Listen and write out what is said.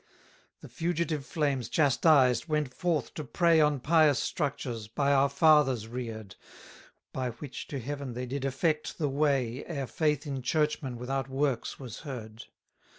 273 The fugitive flames chastised went forth to prey On pious structures, by our fathers rear'd; By which to heaven they did affect the way, Ere faith in churchmen without works was heard.